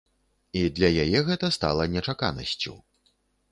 І для яе гэта стала нечаканасцю.